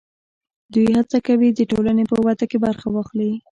دوی هڅه کوي د ټولنې په وده کې برخه واخلي.